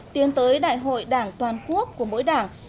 tiến tới đại hội đảng toàn quốc của mỗi đảng